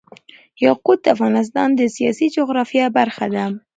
یاقوت د افغانستان د سیاسي جغرافیه برخه ده.